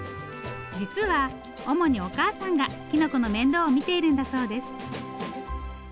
実は主にお母さんがきのこの面倒を見ているんだそうです。